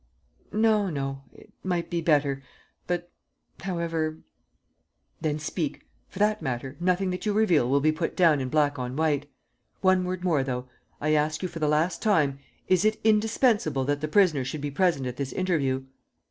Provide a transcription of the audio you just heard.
"No, no ... it might be better ... but, however ..." "Then speak. For that matter, nothing that you reveal will be put down in black on white. One word more, though: I ask you for the last time, is it indispensable that the prisoner should be present at this interview?"